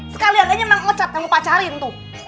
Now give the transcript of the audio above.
sekalian aja yang mang ocat kamu pacarin tuh